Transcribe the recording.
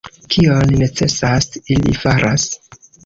Kion necesas, ili faras.